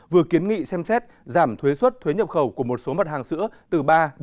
vừa kiến nghị xem xét giảm thuế xuất thuế nhập khẩu của một số mặt hàng sữa từ ba năm